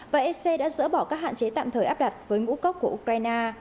và ec đã dỡ bỏ các hạn chế tạm thời áp đặt với ngũ cốc của ukraine